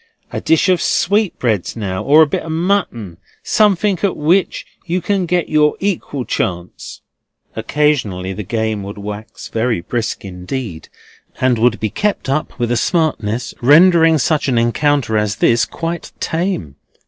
A dish of sweetbreads now, or a bit of mutton. Something at which you can get your equal chance." Occasionally the game would wax very brisk indeed, and would be kept up with a smartness rendering such an encounter as this quite tame.